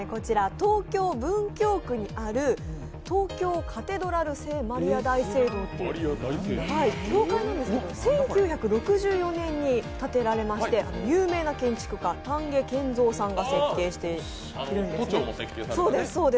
東京・文京区にある東京カテドラル聖マリア大聖堂という教会なんですけど１９６４年に建てられまして有名な建築家丹下健三さんが建築されてるんですね。